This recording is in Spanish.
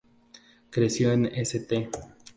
Creció en St.